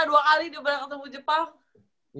dua kali dibilang ketemu jepang